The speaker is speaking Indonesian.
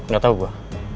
gak tau gue